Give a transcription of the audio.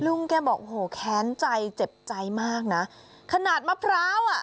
ลุงแกบอกโอ้โหแค้นใจเจ็บใจมากนะขนาดมะพร้าวอ่ะ